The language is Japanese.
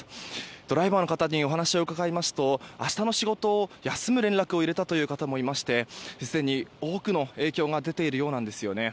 ドライバーの方にお話を伺いますと明日の仕事、休む連絡を入れたという方もいましてすでに多くの影響が出ているようなんですよね。